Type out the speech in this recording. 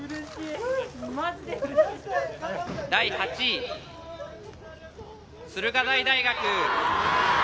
第８位、駿河台大学。